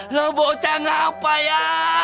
lo bocah ngapa ya